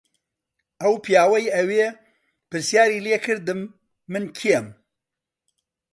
ئەو پیاوەی ئەوێ پرسیاری لێ کردم من کێم.